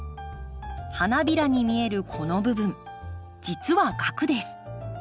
花びらに見えるこの部分実は萼です。